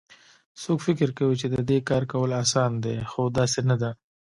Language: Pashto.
څوک فکر کوي چې د دې کار کول اسان دي خو داسي نه ده